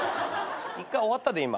一回終わったで今。